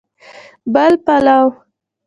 بل پلو